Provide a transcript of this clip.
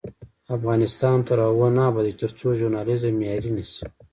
افغانستان تر هغو نه ابادیږي، ترڅو ژورنالیزم معیاري نشي.